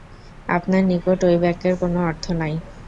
আপানার নিকট ঐ বাক্যের কোন অর্থ নাই।